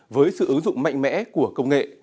với sự ứng dụng mạnh mẽ của công nghệ